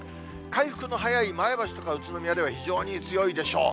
回復の早い前橋とか宇都宮では非常に強いでしょう。